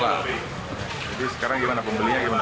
jadi sekarang gimana pembelinya